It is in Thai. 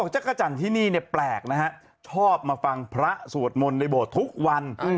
จักรจันทร์ที่นี่เนี่ยแปลกนะฮะชอบมาฟังพระสวดมนต์ในโบสถ์ทุกวัน